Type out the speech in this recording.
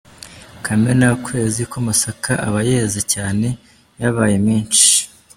Kamena : Ukwezi kw’amasaka aba yeze cyane yabaye menshi.